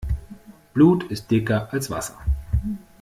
Blut ist dicker als Wasser.